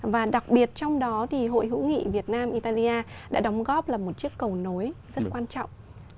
và đặc biệt trong đó thì hội hữu nghị việt nam italia đã đóng góp là một chiếc cầu nối rất quan trọng